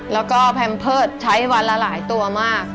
แล้วก็แพมเพิร์ตใช้วันละหลายตัวมาก